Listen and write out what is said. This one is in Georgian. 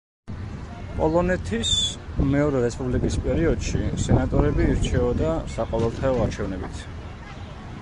პოლონეთის მეორე რესპუბლიკის პერიოდში, სენატორები ირჩეოდა საყოველთაო არჩევნებით.